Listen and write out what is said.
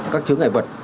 các chướng ngại vật